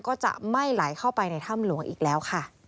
ก็จะไม่ไหลเข้าไปในถ้ำหลวงอีกแล้วค่ะ